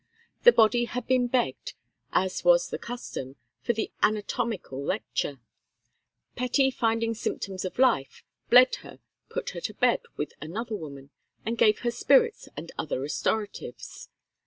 The body had been begged, as was the custom, for the anatomical lecture; Petty finding symptoms of life, bled her, put her to bed with another woman, and gave her spirits and other restoratives.